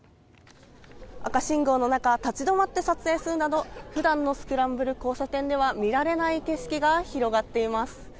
赤信号の中立ち止まって撮影するなど普段のスクランブル交差点では見られない景色が広がっています。